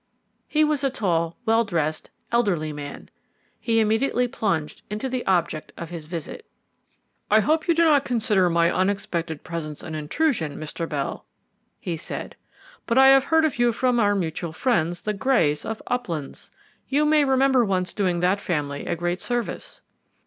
He was a tall, well dressed, elderly man. He immediately plunged into the object of his visit. "I hope you do not consider my unexpected presence an intrusion, Mr. Bell," he said. "But I have heard of you from our mutual friends, the Greys of Uplands. You may remember once doing that family a great service."